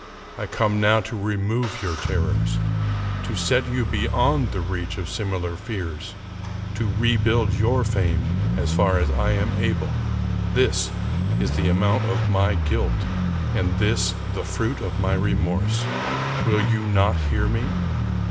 I come now to remove your terrors ; to set you beyond the reach of similar fears ; to rebuild your fame as far as I am able. " This is the amount of my guilt, and this the fruit of my remorse. Will you not hear me?